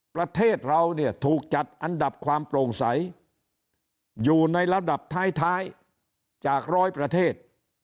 ประเทศเราเนี่ยถูกจัดอันดับความโปร่งใสอยู่ในระดับท้ายจากร้อยประเทศ